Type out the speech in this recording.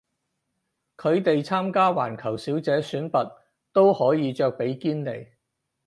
佢哋參加環球小姐選拔都可以着比基尼